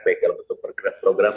baik dalam bentuk program